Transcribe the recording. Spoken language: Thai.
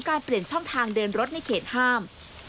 เปลี่ยนช่องทางเดินรถในเขตห้าม